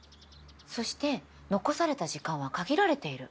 そして残された時間は限られている。